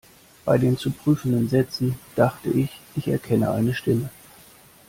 Bei den zu prüfenden Sätzen dachte ich, ich erkenne eine Stimme.